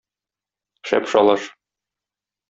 Шәп шалаш.